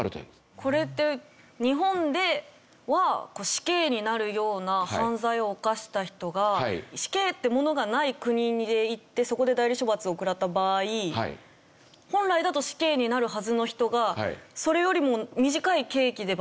これって日本では死刑になるような犯罪を犯した人が死刑ってものがない国へ行ってそこで代理処罰を食らった場合本来だと死刑になるはずの人がそれよりも短い刑期で罰せられるって事もある？